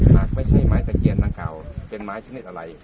หากไม่ใช่ไม้ตะเคียนดังกล่าวเป็นไม้ชนิดอะไร